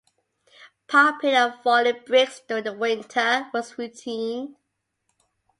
Popping and falling bricks during the winter was routine.